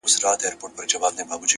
صبر د بریا خاموش ملګری دی!.